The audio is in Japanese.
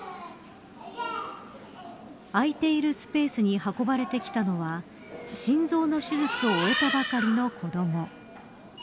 空いているスペースに運ばれてきたのは心臓の手術を終えたばかりの子ども。